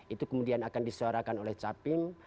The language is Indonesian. itu kemudian akan disuarakan oleh capim